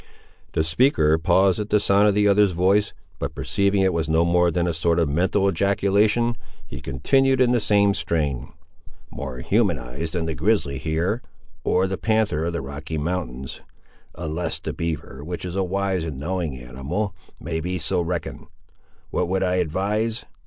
The speaker paused at the sound of the other's voice, but perceiving it was no more than a sort of mental ejaculation, he continued in the same strain— "More humanised than the grizzly hear, or the panther of the Rocky Mountains; unless the beaver, which is a wise and knowing animal, may be so reckoned. What would I advise?